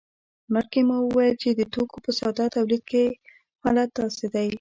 مخکې مو وویل چې د توکو په ساده تولید کې حالت داسې دی